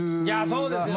そうですよね。